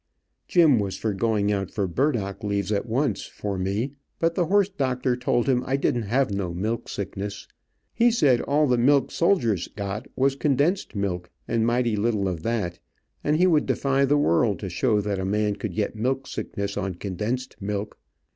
Jim was for going out for burdock leaves at once, for me, but the horse doctor told him I didn't have no milk sickness. He said all the milk soldiers got was condensed milk, and mighty little of that, and he would defy the world to show that a man could get milk sickness on condensed milk.